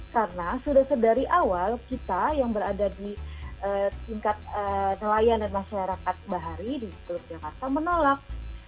karena sudah sedari awal kita yang berada di tingkat nelayan dan masyarakat bahari di sekitar jakarta menolak